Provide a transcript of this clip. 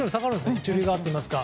１塁側といいますか。